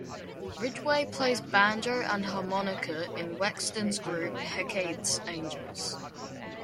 Ridgway plays banjo and harmonica in Wexstun's group Hecate's Angels.